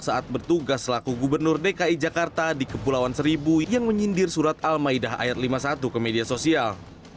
saat bertugas selaku gubernur dki jakarta di kepulauan seribu yang menyindir surat al maidah ayat lima puluh satu ke media sosial